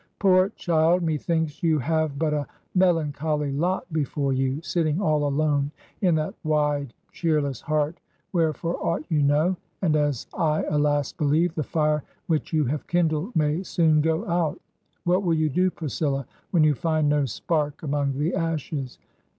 ... 'Poot child! Methinks you have but a melancholy lot before you, sitting all alone in that wide, cheerless heart, where, for aught you know — ^and as I, alas I believe — the fire which you have kindled may soon go out. ... What will you do, Priscilla, when you find no spark among the ashes?'